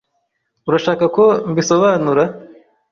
Urashaka ko mbisobanura?